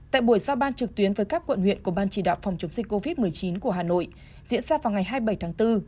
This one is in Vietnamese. tại buổi giao ban trực tuyến với các quận huyện của ban chỉ đạo phòng chống dịch covid một mươi chín của hà nội diễn ra vào ngày hai mươi bảy tháng bốn